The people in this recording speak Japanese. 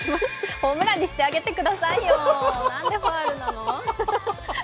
ホームランにしてあげてくださいよ、なんでファウルなの？